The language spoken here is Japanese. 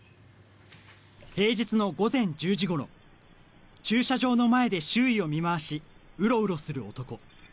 平日の午前１０時ごろ駐車場の前で周囲を見回しうろうろする男。